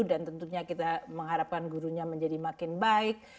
dan tentunya kita mengharapkan gurunya menjadi makin baik